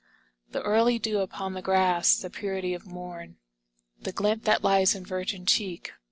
The early dew upon the grass, The purity of morn, The glint that lies in virgin cheek.